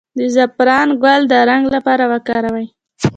د زعفران ګل د رنګ لپاره وکاروئ